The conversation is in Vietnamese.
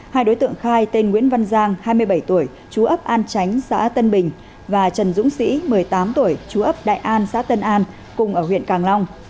hai đối tượng khai tên nguyễn văn giang hai mươi bảy tuổi chú ấp an chánh xã tân bình và trần dũng sĩ một mươi tám tuổi chú ấp đại an xã tân an cùng ở huyện càng long